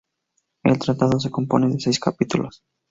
El tratado se compone de seis capítulos.